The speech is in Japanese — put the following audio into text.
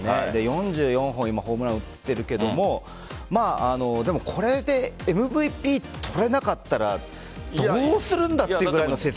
４４本ホームラン打っているけどでも、これでＭＶＰ取れなかったらどうするんだっていうぐらいの成績。